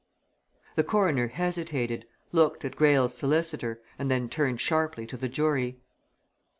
The Coroner hesitated, looked at Greyle's solicitor, and then turned sharply to the jury.